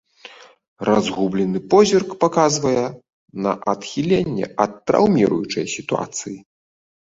Разгублены позірк паказвае на адхіленне ад траўміруючай сітуацыі.